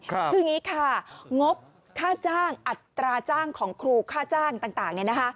คืออย่างนี้ค่ะงบค่าจ้างอัตราจ้างของครูค่าจ้างต่าง